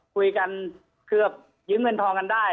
คุยกันเกือบยืมเงินทองกันได้